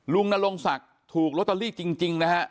นรงศักดิ์ถูกลอตเตอรี่จริงนะฮะ